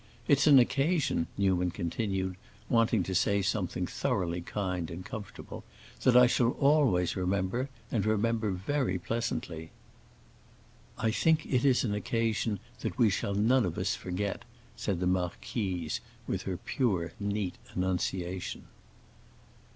It's an occasion," Newman continued, wanting to say something thoroughly kind and comfortable, "that I shall always remember, and remember very pleasantly." "I think it is an occasion that we shall none of us forget," said the marquise, with her pure, neat enunciation.